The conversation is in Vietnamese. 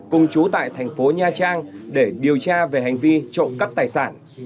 cùng chú tại thành phố nha trang để điều tra về hành vi trộm cắp tài sản